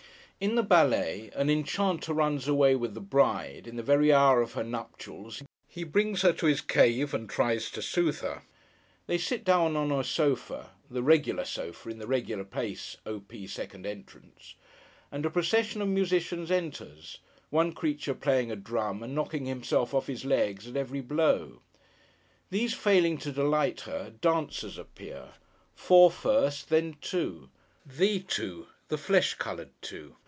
In the ballet, an Enchanter runs away with the Bride, in the very hour of her nuptials, He brings her to his cave, and tries to soothe her. They sit down on a sofa (the regular sofa! in the regular place, O. P. Second Entrance!) and a procession of musicians enters; one creature playing a drum, and knocking himself off his legs at every blow. These failing to delight her, dancers appear. Four first; then two; the two; the flesh coloured two.